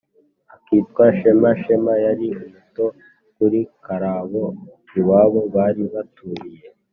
akitwa Shema. Shema yari muto kuri Karabo. Iwabo bari baturiye